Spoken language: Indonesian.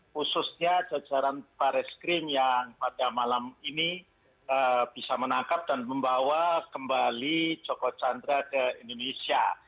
khususnya jajaran baris krim yang pada malam ini bisa menangkap dan membawa kembali joko chandra ke indonesia